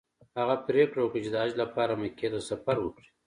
هغه پریکړه وکړه چې د حج لپاره مکې ته سفر وکړي.